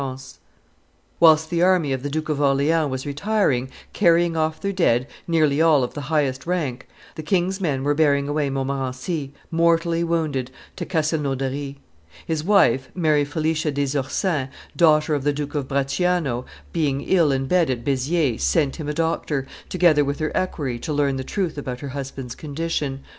iv.] [Illustration: Henry, Duke of Montmorency, at Castelnaudary 199] Whilst the army of the Duke of Orleans was retiring, carrying off their dead, nearly all of the highest rank, the king's men were bearing away Montnmorency, mortally wounded, to Castelnaudary. His wife, Mary Felicia des Ursins, daughter of the Duke of Bracciano, being ill in bed at Beziers, sent him a doctor, together with her equerry, to learn the truth about her husband's condition.